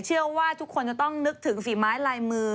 เชื่อว่าทุกคนจะต้องนึกถึงฝีไม้ลายมือ